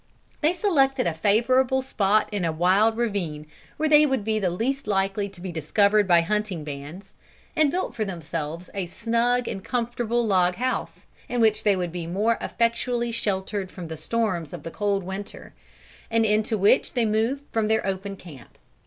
They selected a favorable spot in a wild ravine where they would be the least likely to be discovered by hunting bands, and built for themselves a snug and comfortable log house, in which they would be more effectually sheltered from the storms and cold of winter, and into which they moved from their open camp.